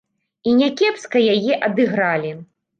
І някепска яе адыгралі!